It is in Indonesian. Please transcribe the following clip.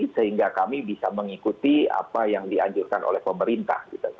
sehingga kami bisa mengikuti apa yang dianjurkan oleh pemerintah